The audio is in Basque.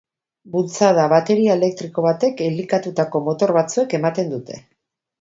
Bultzada, bateria elektriko batek elikatutako motor batzuek ematen dute.